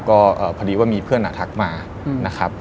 ก็พอดีว่ามีเพื่อนทักมานะครับ